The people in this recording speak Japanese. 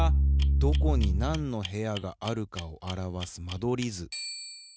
どこになんの部屋があるかをあらわす間取り図。